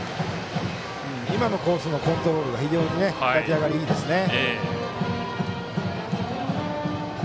今のコースのコントロール非常に立ち上がり、いいですね。